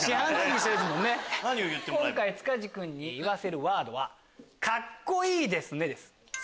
今回塚地君に言わせるワードは「カッコいいですね」です。